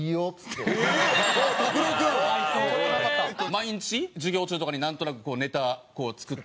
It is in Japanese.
毎日授業中とかになんとなくネタ作ったりして。